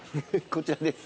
こちらです。